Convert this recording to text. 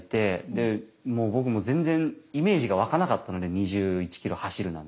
でもう僕も全然イメージが湧かなかったので２１ｋｍ走るなんて。